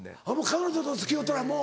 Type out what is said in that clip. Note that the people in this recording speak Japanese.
彼女と付き合うたらもう。